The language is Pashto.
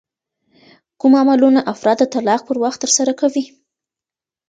کوم عملونه افراد د طلاق پر وخت ترسره کوي؟